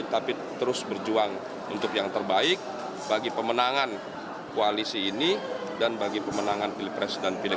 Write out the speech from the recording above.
tapi terus berjuang untuk yang terbaik bagi pemenangan koalisi ini dan bagi pemenangan pilpres dan pilik dua ribu sembilan belas